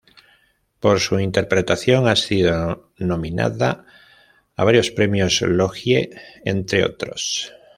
Por su interpretación ha sido nominada a varios premios logie, entre otros.